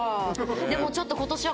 でもちょっとことしは。